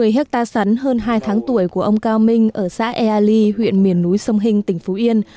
một mươi hectare sắn hơn hai tháng tuổi của ông cao minh ở xã ea ly huyện miền núi sông hinh tỉnh phú yên